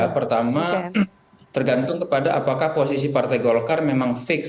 pertama tergantung kepada apakah posisi partai golkar memang fix